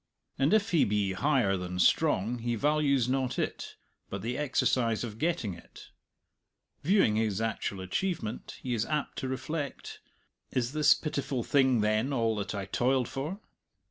And if he be higher than strong he values not it, but the exercise of getting it; viewing his actual achievement, he is apt to reflect, "Is this pitiful thing, then, all that I toiled for?"